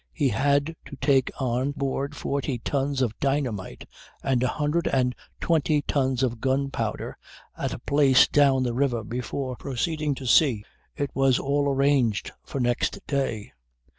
He had to take on board forty tons of dynamite and a hundred and twenty tons of gunpowder at a place down the river before proceeding to sea. It was all arranged for next day.